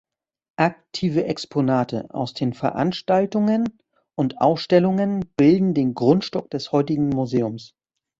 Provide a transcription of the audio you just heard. Aktive Exponate aus den Veranstaltungen und Ausstellungen bilden den Grundstock des heutigen Museums.